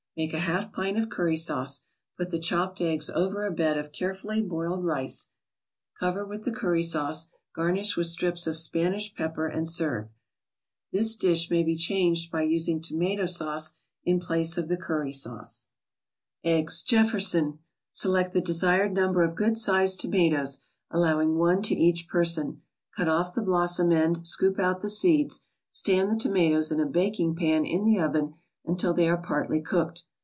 Make a half pint of curry sauce. Put the chopped eggs over a bed of carefully boiled rice, cover with the curry sauce, garnish with strips of Spanish pepper and serve. This dish may be changed by using tomato sauce in place of the curry sauce. EGGS JEFFERSON Select the desired number of good sized tomatoes, allowing one to each person. Cut off the blossom end, scoop out the seeds, stand the tomatoes in a baking pan in the oven until they are partly cooked.